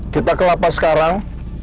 kita kelapa sekarang